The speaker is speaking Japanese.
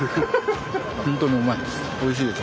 本当にうまいです。